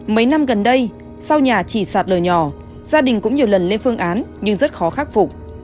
mấy năm gần đây sau nhà chỉ sạt lở nhỏ gia đình cũng nhiều lần lên phương án nhưng rất khó khắc phục